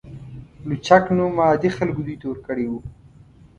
لوچک نوم عادي خلکو دوی ته ورکړی و.